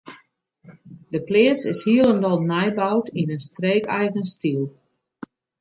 De pleats is hielendal nij boud yn in streekeigen styl.